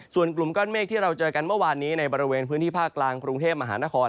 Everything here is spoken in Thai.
ส่วนกลุ่มก้อนเมฆที่เราเจอกันเมื่อวานนี้ในบริเวณพื้นที่ภาคกลางกรุงเทพมหานคร